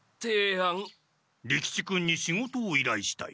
利吉君に仕事をいらいしたい。